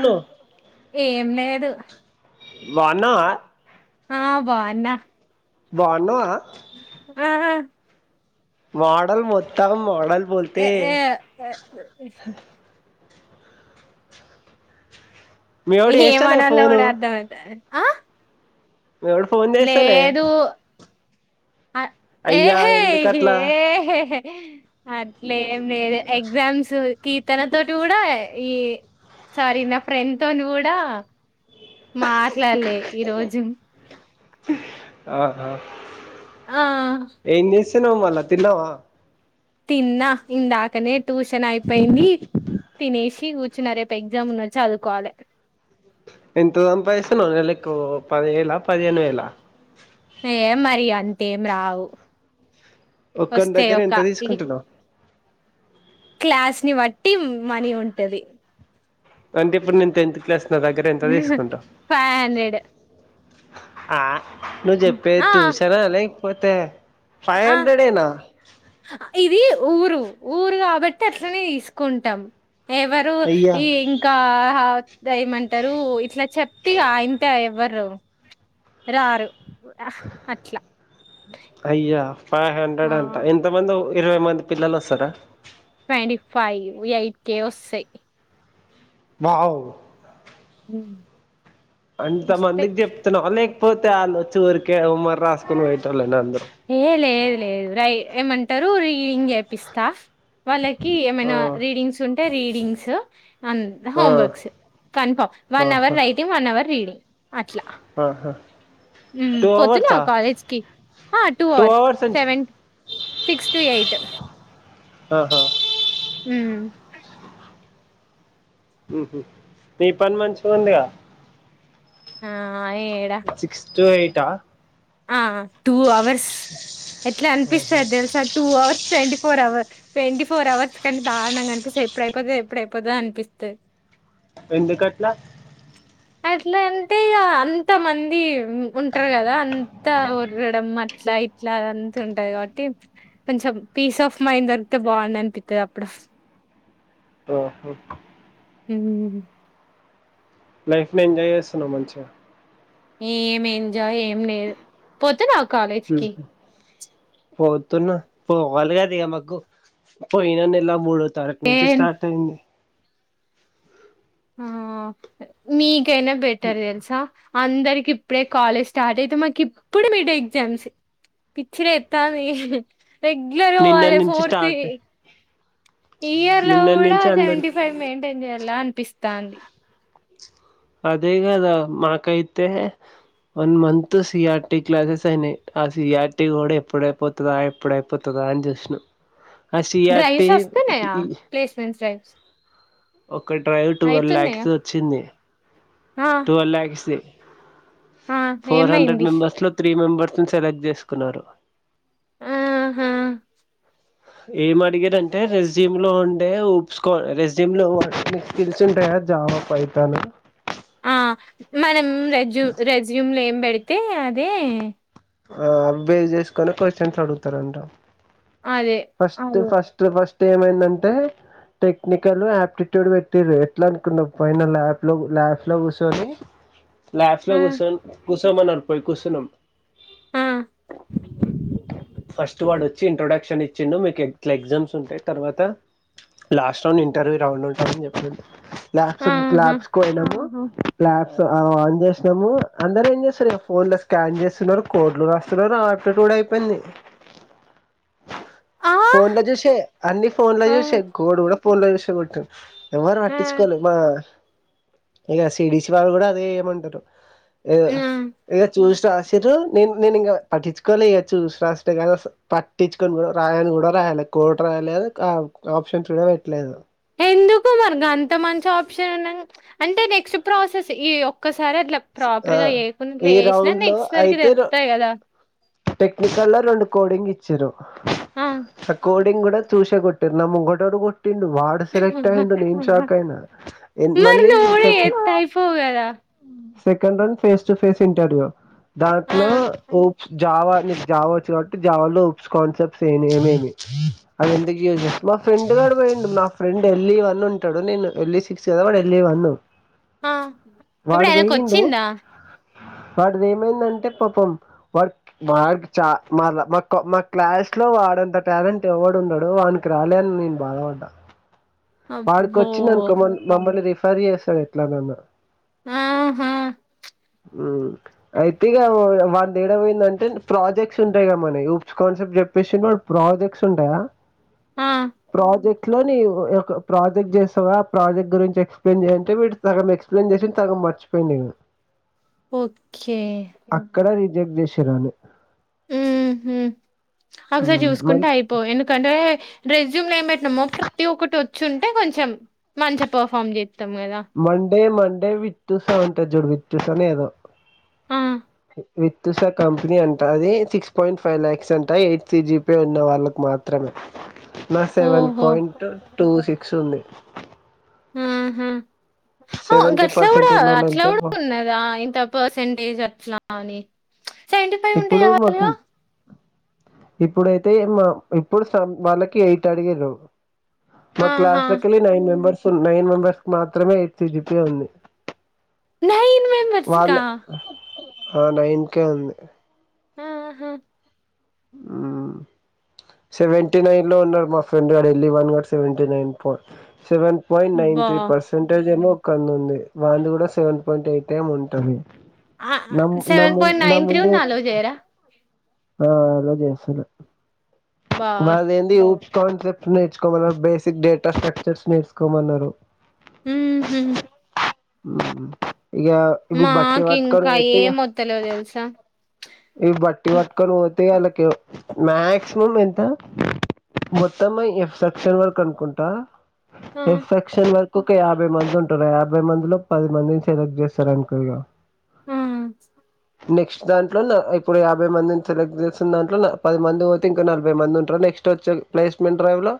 Hello ఏం లేదు బావున్నావా ఆ బావున్నా బావున్నావా ఆ ఆ మోడల్ మొత్తాక మోడల్ ఏ బోల్తే ఏ మీవోడు ఎహే చేస్తాలే ఏమనాలో ఫోను కూడా అర్థమైతలే ఆ మేడు లేదు అయ్యా ఏహే ఎందుకట్లా యెహెహే అట్లేం లేదు ఎగ్జామ్స్ కీర్తన తోటి కూడా ఈ సారీ నా ఫ్రెండ్ తోనీ కూడా మాట్లాడలే ఈ రోజు ఆహా ఆ ఏం చేస్తాను మళ్ళా తిన్నావా తిన్నా ఇందాకనే ట్యూషన్ అయిపోయింది తినేసి కూర్చున్న రేపు ఎగ్జామ్ ఉన్న వచ్చి చదువుకోవాలి ఎంత సంపాదిస్తున్నావు నెలకు పదివేల పదిహేను వేల ఏం మరి అంతేం రావు ఒక్కరి వస్తే దగ్గర ఒక ఎంత తీసుకుంటున్నావు క్లాస్ ని బట్టి మనీ ఉంటది అంటే ఇప్పుడు నేను టెన్త్ క్లాస్ నా దగ్గర ఎంత తీసుకుంటావు ఫైవ్ హండ్రెడ్ ఆ నువ్వు చెప్పేది ఆ టూషనా లేకపోతే ఫైవ్ ఆ హండ్రెడేనా ఇది ఊరు ఊరు కాబట్టి అట్లనే తీసుకుంటాం ఎవరు అయ్యా ఈ ఇంకా ఏం మంటారు ఇట్లా చెప్తే ఆ ఇంత ఎవ్వరు రారు అట్లా అయ్యా ఫైవ్ హండ్రెడ్ ఆ అంట ఎంతమంది ఇరవై మంది పిల్లలు వస్తారా ట్వంటీ ఫైవ్ ఎయిట్ కే వస్తాయి వావ్ ఉ అంటే అంతమందికి వస్తాయి చెప్తున్నావ లేకపోతే వాళ్లొచ్చి ఊరికే హోంవర్క్ రాసుకుని పొయెటోళ్లేనా వాళ్లు అందరూ ఏ లేదు లేదు రై ఏమంటారు రీడింగ్ చేపిస్తా వాళ్ళకి ఆ ఏమైనా రీడింగ్స్ ఉంటే రీడింగ్స్ అన్ ఆ హోం వర్క్స్ కన్ఫామ్ వన్ ఆహా hour writing one hour reading అట్లా ఆహా టూ పొతున్నావా అవర్సా కాలేజ్ కి ఆ two hours seven six to eight ఆహా హ హ్మ్ హం మీ పని మంచిగా ఉందిగా ఆ ఏడ సిక్స్ టు ఎయిట్ ఆ ఆ టూ అవర్స్ ఎట్లా అనిపిస్తారు తెలుసా two hours twenty four hours twenty four hours కంటే దారుణంగా అనిపిస్తది ఎప్పుడ అయిపోతది ఎప్పుడు అయిపోదో అనిపిస్తది ఎందుకట్లా అట్లా అంటే ఇగా అంత మంది ఉంటారు కదా అ అంతా ఓర్రడం అట్లా ఇట్లా అంత ఉంటది కాబట్టి కొంచెం పీస్ ఆఫ్ మైండ్ దొరికితే బాగుంది అనిపిస్తది అప్పుడు ఓహో హ లైఫ్ని ఎంజాయ్ చేస్తున్నావు మంచిగా ఏం ఎంజాయ్ ఏం లేదు పోతున్నావా కాలేజ్కి ఉహు పోతున్నా పోవాలి కదా ఇక మాకు పోయిన నెలా మూడు తరక్ నుంచి ఏన్ స్టార్ట్ అయింది ఆ మీకైనా బెటర్ తెల్సా అందరికి ఇప్పుడే కాలేజ్ స్టార్ట్ అయితే మాకు ఇప్పుడు మీడ్ ఎగ్జామ్స్ పిచ్చలేత్తాంది రెగ్యలర్ గా నిన్న పోవాలి నుంచి ఫోర్ తీ స్టార్ట్ ఈ ఇయర్ లో నిన్న కూడా నుంచి అందరికి సెవెంటీ ఫైవ్ మెయింటైన్ చెయ్యాల అనిపిస్తాంది అదే గదా మనకైతే one month C R T classes అయినాయి ఆ సి ఆర్ టీ కూడా ఎప్పుడైపో తిందాం ఎప్పుడయిపోతదా అని చూసినం ఆ సి ఆర్ డ్రైవ్స్ టీ వస్తున్నాయా ప్లేస్మెంట్స్ డ్రైవ్స్ ఒక డ్రైవ్ టువల్ లాక్స్ అయితున్నాయా ది వచ్చింది ఆ టువల్ లాక్స్ ది ఆ ఫోర్ హండ్రెడ్ ఏమైంది మెంబర్స్ లో త్రీ మెంబెర్స్ ని సెలెక్ట్ చేసుకున్నారు ఆహా ఏం అడిగారంటే రెస్యూమ్ లో ఉండే ఊప్స్ కో రెస్యూమ్ లో వాడిని స్కిల్స్ ఉంటాయా జావా ఫైధాన్ ఆ మనం రెజ్యూ రెస్యూమ్ లో ఎం పెడితే అదే ఆ అవి బేస్ చేసుకొని కొషన్స్ అడుగుతారంట అదే ఫస్ట్ ఫస్ట్ ఫస్ట్ ఏమైందంటే టెక్నికల్ యాప్టిట్యూడ్ పెట్టిరు ఎట్లా అనుకున్నా పైన ల్యాప్ లో ల్యాబ్ లో కూర్చొని అ లాబ్స్ లో కూసోన్ కూసోమన్నారు పోయి కూసున్నాం ఆ ఫస్ట్ వాడొచ్చి ఇంట్రొడక్షన్ ఇ చ్చిండు మీకు ఎట్ల ఎగ్జామ్స్ ఉంటాయి తర్వాత లాస్ట్ రౌండ్ ఇంటర్వ్యూ రౌండ్ ఉంటాదని చెప్పిండు ల్యాబ్స్ ఆహా ల్యాబ్స్ కు పోయినాము ల్యాబ్స్ అ ఆన్ చేసినాము అందరూ ఏం చేస్తారు ఇగ ఫోన్ లో స్కాన్ చేస్తున్నారు కోడ్లు రాస్ తున్నారు ఆప్టిట్యూడ్ అయిపోయింది ఆ ఫోన్ లో చూసే అన్నీ ఫోన్ లో అవును చూసే కోడ్ కూడా ఫోన్ లో చూసే కొట్టు ఎవరూ ఆ పట్టించుకోవాలి మా ఇగా సి డి సి వాళ్ళు కూడా అదే ఏమంటారు ఏ ఆ ఇగ చూసి రాసిర్రు నేను నేను ఇంగా పట్టిచ్చుకోలే ఇక చూసి రాసుడే కదా పట్టిచ్చుకొని కూడా రాయను కూడా రాయాలే కోర్టు రాయాలేదు ఆప్షన్స్ కూడా పెట్టలేదు పో మరి గంత మంచి ఆప్షన్ ఉన్నాం అంటే నెక్స్ట్ ప్రాసెస్ ఈ ఒక్కసారి అట్లా ప్రాపర్ ఆ గా ఏయకున్ ట్ల ఈ ఏసినా రౌండ్ లో నెక్స్ట్ సరికి అయితే తెలుత్తాయి కదా టెక్నికల్ లో రెండు కోడింగ్ ఇచ్చిర్రు ఆ ఆ కో డింగ్ కూడా చూసే కొట్టిర్రు నా ముంగటోడు కొట్టిండు వా డు సెలెక్ట్ అయిండు నేను షాక్ అయినా ఏన్ మరి మళ్ళీ నువ్వు కూడా టెక్నా చేత్తే అయిపోవు కదా second round face to face interview దాంట్లో ఆ ఏ జావా నీకు జావా వచ్చు కాబట్టి జావాలో ఉప్స్ కాన్సెప్ట్స్ ఏని ఏమేమి అది ఎందుకు యూస్ చేస్ మా ఫ్రెండ్ గాడు పోయిండు మా ఫ్రెండ్ ఎళ్ళి వన్నంటాడు నేను ఎళ్ళిసి ఫిక్స్ కదా వాడు ఎళ్ళి వన్ను ఆ ఇప్పుడు వాడు ఆయనకు పొయ్యిండు వచ్చిందా వాడిది ఏమైందంటే పాపం వాడు వాడికి చా మాలా మాకొ మా క్లాస్ లో వాడంత టాలెంట్ ఎవడు ఉండడు వాను క్రాలేన్ నేను బాధపడ్డా వాడికి అబ్బో వచ్చిందనుకో మన్ మమ్మల్ని రిఫర్ చేస్తాడు ఎట్లనన్నా ఆహా ఊ అయితే ఇగ వాన్ ఏడ పోయింది అంటే ప్రాజెక్ట్స్ ఉంటాయి గా మనవి ఉప్స్ కాన్సెప్ట్ చెప్పేసి వాడు ప్రాజెక్ట్స్ ఉంటాయి కదా ఆ ప్రాజెక్ట్ లోని ఒ ఒక ప్రాజెక్ట్ జేస్తావా ప్రాజెక్ట్ గురించి ఎక్స్ప్లయిన్ చేయంటే వీడు సగం ఎక్స్ప్లెయిన్ చేసిండు సగం మర్చిపోయిండిగ ఓకే అక్కడ రిజెక్ట్ చేసిర్రాన్ని ఉమ్ హ్ ఒకసారి హ్మ్. చూసుకుంటే మళ్ అయిపో ఎందుక్ కంటే రెజ్యూమ్ లో ఏం పెట్నమో ప్రతీ ఒక్కటి ఒచ్చుంటే కొంచెం మంచిగ పర్ఫార్మ్ చేత్తం కదా మండే మండే విత్తూసనుంటది చూడు విత్తూసనేదో ఆ విత్తూస్ అది కంపనీ అంట్ ట అది సిక్స్ పాయింట్ ఫైవ్ ల్యాక్స్ అంట ఎయిట్ సీ జీ పీ ఉన్న వాళ్ళకి మాత్ త్రమే నాది సెవెన్ ఓహో పాయింట్ టూ సిక్స్ ఉంది అ సెవెంటీ గట్లగుడ పర్సెంట్ ఉన్నోళ్ళంటే అట్లగుడ బా ఉన్నద్ ఆ ఇంత పర్సంటేజ్ అట్లా అని సెవెంటీ ఫ్ ఇప్పుడు మాకు ఇప్పుడైతే ఎమ్మ ఇప్పుడు సెవెన్ వాళ్ళకి ఎయిట్ అడిగిర్రు మా ఆహా క్లాస్లకెళ్ళి నైన్ మెంబెర్స్ నైన్ మెంబర్స్ కి మాత్రమే ఎయిట్ సి జి పీ ఉంది నైన్ మెంబర్స్ వాళ్ళ కా అవునా ఈన్కే ఉంది ఆహా మ్మ్ సెవెంటీ నైన్ లో ఉన్నాడు మా ఫ్రెండ్ గాడేళ్ళి వన్ నాట్ సెవెంటీ నైన్ పా సెవెన్ పాయింట్ నైన్ త్రీ అబ్బా పర్సెంటేజ్ ఏమో ఒకన్దుంది వాంది గూడ సెవెన్ పాయింట్ ఎయిట్ ఏం ఉంటది నమ్ నము నముందే జేయరా ఆ అలా చేస్తున్న బా మాదేంది ఉ కాన్సెప్ట్స్ నేర్చుకోమన్నరు బేసిక్ డేటా స్ట్రక్చర్స్ నేర్చుకోమన్నరు ఉమ్ హు ఉమ్ ఇగా ఇవి బట్టి బట్టుకొని పోతే ఇగ తెల్వదు తెలుసా ఇవి బట్టి బట్టుకొని పోతే వాళ్ళకి మాక్సిమం ఎంత మొత్తమయి ఎఫ్ సెక్షన్ వరకు అనుకుంటా ఆ ఎఫ్ సెక్ క్షన్ వర్కొక యాభై మంది ఉంటరు ఆ యాభై మందిలో పది మందిని సెలెక్ట్ చేస్తరనుకో ఇగ ఉమ్ హ్ నెక్స్ట్ దాన్ ట్లన్న ఇప్పుడు యాభై మందిని సెలెక్ట్ చేసిన్ దాంట్లో ల పది మంది పోతే ఇంకో నలభై మంది ఉంటరు నెక్స్ట్ వచ్చే ప్లేస్మెంట్ డ్రైవ్ లో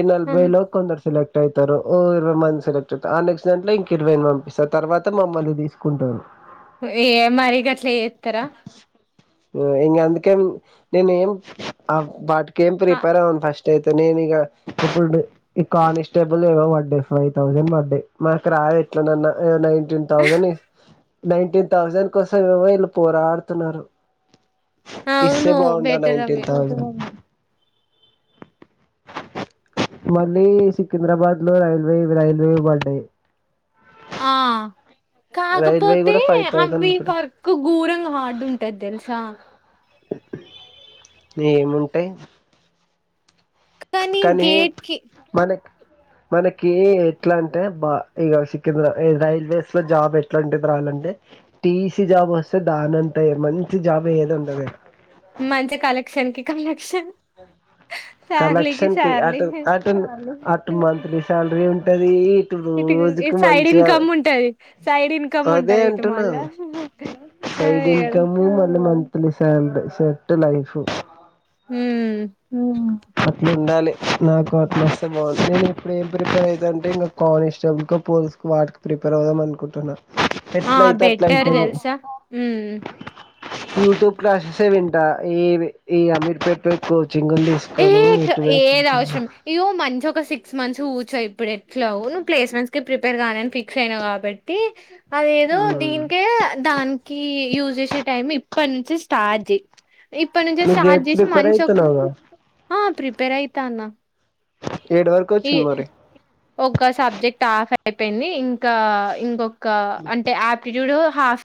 ఇ ఆ నలభైలో కొందర్ సెలెక్ట్ ట్ అయితరు ఓ ఇరవై మంది సెలెక్టె అయిత్ ఆ నెక్స్ట్ దాంట్ల ఇంక ఇరవైన్ పంపిస్తరు తర్వాత మమ్మల్ని దీసుకుంటరు ఏ మరి గట్ల చేత్ ఉమ్ ఇగందుకేం మేమేం ఆ వాటిక్ కేం ప్రిపేర్ అవను ఫస్టయితే నేనీగ ట్రిపుల్ బె ఇ కానిస్టేబుల్ ఏవో పడ్డయి ఫైవ్ థౌజండ్ పడ్డయి మాకు రాదు ఎట్లనన్నా nineteen thousand nineteen thousand కోసమేవో ఈల్లు పోరాడుతున్నరు ఇస్తే అవును బాగుండు ఆ బెటర్ అవి నైన్టీన్ థౌజండ్ మళ్ళీ సికింద్రాబాద్ లో రైల్వేవ్ రైల్వేవి పడ్డయి ఆ రైల్వే కాకపోతే కూడా ఫైవ్ థౌజండ్ అవి అనుకుంట వర్క్ ఒక ఘోరంగ హార్డు ఉంటద్ తెలుసా ఏముంటయ్ కానీ గేట్ కి మనక్ మనకి ఎట్లా అంటే బా ఇగ సికింద్రా రైల్వేస్ లో జాబ్ ఎట్లాంటిది రావాలంటే టీసీ జాబ్ వస్తే దానంతా మంచి జాబ్ ఏది ఉండదు మంచి కలక్షన్ కి కలెక్షన్ [inaudible] శార్లీకి కలెక్షన్ కి శార్లీ అటు అటు అటు మంత్లీ సాల్రీ ఉంటదీ ఇటు రోజుకు సైడ్ మంచిగా ఇన్కమ్ ఉంటది సైడ్ ఇన్కమ్ అదే ఉంటది ఇటు అంటున్న మళ్ళా గదా సైడ్ అదే కదా ఇన్కమ్ మళ్ళీ మంత్లీ సాల్రీ సెట్ లైఫ్ ఉమ్ ఉమ్ అట్లుండాలి నాకు అట్లొస్తె బాగుండు నేను ఇప్పుడు ఏం ప్రిపేర్ అయితంటే ఇంకా కానిస్టబుల్కొ పోలీస్ వాటికి ప్రిపేర్ అవుదాం అనుకుంటున్నా ఆ! ఎట్ల అయితే అట్లా బెటర్ అన్కు తెలుసా? హ్మ్. యూట్యూబ్ క్లాసెసే వింటా ఏవి ఈ అమీర్ పేట్ లొ కోచింగ్ లు తీస్ కోను [unintelligible] ఇగొ మంచి ఒక సిక్స్ మంత్స్ కూచో ఇప్పుడె ఎట్లా నువ్వు ప్లేస్మెంట్స్ కి ప్రిపేర్ కానని ఫిక్స్ అయినవ్ కాబట్ టీ అదేదో మ్మ్ దీనికే దానికి యూస్ చేసే టైం ఇప్పట్ నుంచి స్టార్ట్ చేయ్ ఇప్పుడు నుంచే నువ్వు గేట్ స్టార్ట్ చేసి ప్రిపేర్ మంచి ఒక్ అయితున్నావుగా ఆ ప్రిపేర్ ఐతాన్న ఏడు వరకు టీ వచ్చింది మరి ఒక సబ్జెక్ట్ ఆఫ్ అయిపోయింది ఇంకా ఇంకొక్ క అంటే ఆప్టిట్యూడ్ హాఫ్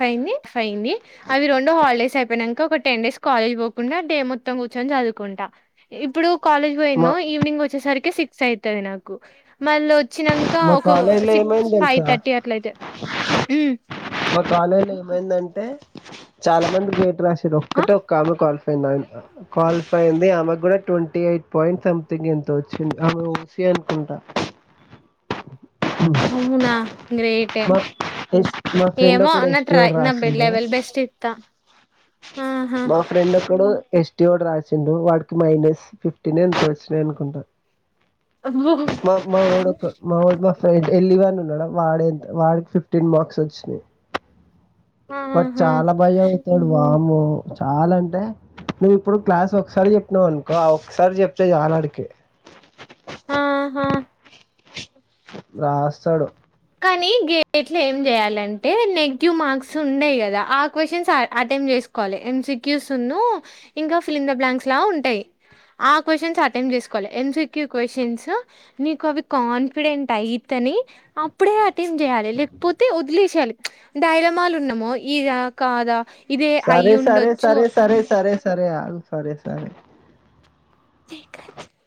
ఫైని ఫైని అవి రెండు హాలిడేస్ అయిపోయ్నక ఒక టెన్ డేస్ కాలేజ్ పోకుండా డే మొత్తం కూర్చొన్ చదువుకొంట ఇప్పుడు కాలేజ్ మా పోయినో ఈవినింగ్ వచ్చేసరికి సిక్స్ అయితది నాకు మల్లోచ్చినంక మా ఒక కాలేజ్ లో సిక్స్ ఏమైంది ఫైవ్ తెలుసా థర్టీ అట్ల అయితది హ్మ్ మా కాలేజలో ఏమైందంటే చాలా మంది గేట్ రాశారు ఆ! ఒక్కటే ఒక్కమె క్వాలి [unintelligible] క్వాలిఫై అయింది ఆమెకు కూడా ట్వంటీ ఎయిట్ పాయింట్ సంథింగ్ ఎంతొ వచ్చింది అమె ఓసి అనుకుంటా [inaudible] ఉమ్ అవునా గ్రేట్ టే ఎస్ మా ఫ్రెండ్ ఏమో ఒకడు నా ఎస్టీ ట్రై ఓడు నా రాసిండు లెవెల్ బెస్ట్ ఇత ఆహా మా ఫ్రెండ్ ఒకడు ఎస్టీ వాడు రాసిండు వాడికి మైనస్ ఫిఫ్టీన్ ఎంతొ వచ్చినయ్ అనుకుంటా అబ్బో! మాక్ మాఓడ్ ఒకు [unintelligible] మా ఫ్రెండ్ ఎల్లిగాడ్ ఉన్నాడా వాడెంత వాడికి ఫిఫ్టీన్ మార్క్స్ వచ్చినయ్ వాడ్ ఆహా! చాలా బాగా చదువుతడు వామ్మో చాలా అంటే నువ్వు ఇప్పుడు క్లాస్ ఒక్సారి చెప్పినవనుకో ఒకసారి చెప్తే చాలు వాడికి ఆహా రాస్తడు కానీ గే ఇట్ల ఏం చేయాలంటే నెగిటివ్ మార్క్స్ ఉండయ్ గదా ఆ క్వశ్చన్స్ అ అటెంమ్ చేస్ వాలి ఎం సి క్యూ సు ను ఇంకా ఫిలింద బ్లాంక్స్ లా ఉంటయ్ ఆ క్వశ్చన్స్ అటెంప్ట్ చేసుకోవాలి ఎం సి క్యూ క్వశ్చన్స్ నీకవ్వి కాన్ఫిడెంట్ ఐతేనే అప్పుడే అటెంప్ట్ జేయాలె లేక్ పోతే ఒదిలేసయాలి డైలమాలున్నమో ఇద కాదా ఇదే అయి సరే సరే ఉండొచ్చు సరే సరే సరే సరే ఆగు సరే సరే [inaudible]